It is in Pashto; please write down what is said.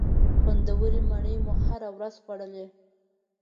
خوندورې مڼې مو هره ورځ خوړلې.